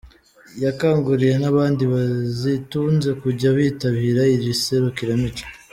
Yakanguriye n’abandi bazitunze kujya bitabira iri serukiramuco.